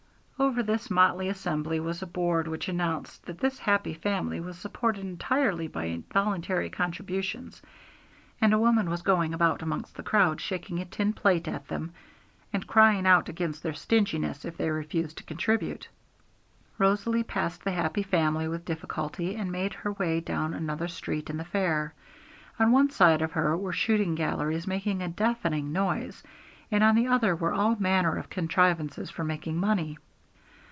Over this motley assembly was a board which announced that this Happy Family was supported entirely by voluntary contributions; and a woman was going about amongst the crowd shaking a tin plate at them, and crying out against their stinginess if they refused to contribute. Rosalie passed the Happy Family with difficulty, and made her way down another street in the fair. On one side of her were shooting galleries making a deafening noise, and on the other were all manner of contrivances for making money.